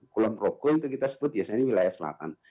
kulon prokul itu kita sebut biasanya ini wilayah selatan